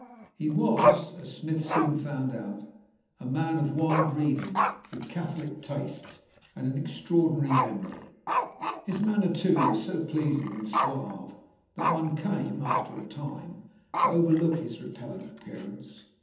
He was, as Smith soon found, a man of wide reading, with catholic tastes and an extraordinary memory. His manner, too, was so pleasing and suave that one came, after a time, to overlook his repellent appearance.